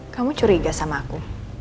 kamu curiga sama aku